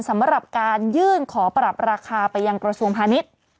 สำหรับการยื่นขอปรับราคาไปยังกระทรวงพาณิชย์